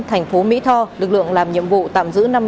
thành phố mỹ tho lực lượng làm nhiệm vụ tạm giữ